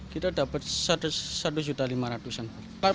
kita dapat rp satu lima ratus